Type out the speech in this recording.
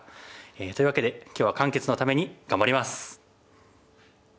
というわけで今日は漢傑のために頑張ります。